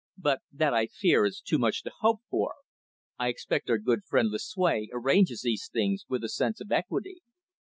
But that I fear is too much to hope for. I expect our good friend Lucue arranges these things with a sense of equity."